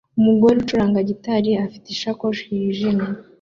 Umugore ucuranga gitari afite isakoshi yijimye